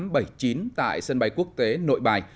b tám trăm bảy mươi chín tại sân bay quốc tế nội bài